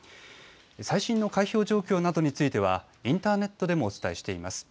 最新の開票状況などについてはインターネットでもお伝えしています。